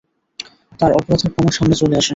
তার অপরাধের প্রমাণ সামনে চলে আসে।